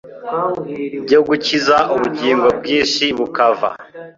byo gukiza ubugingo bwinshi bukava